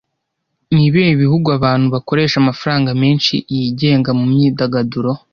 Ni ibihe bihugu abantu bakoresha amafaranga menshi yigenga mu myidagaduro